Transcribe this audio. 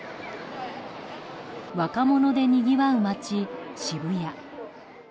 若者でにぎわう街・渋谷。